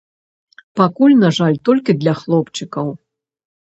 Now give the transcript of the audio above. Пакуль, на жаль, толькі для хлопчыкаў.